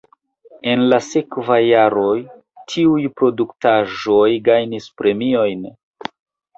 En la sekvaj jaroj tiuj produktaĵoj gajnis premiojn.